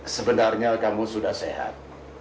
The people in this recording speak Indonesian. sebenarnya kamu sudah sehat